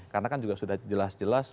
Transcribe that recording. karena kan juga sudah jelas jelas